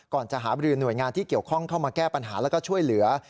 ก่อนจะหาบรือหน่วยงานที่เกี่ยวข้องเข้ามาแก้ปัญหาแล้วก็ช่วยเหลือ